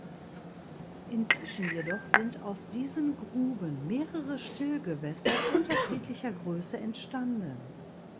Inzwischen jedoch sind aus diesen Gruben mehrere Stillgewässer unterschiedlicher Größe entstanden.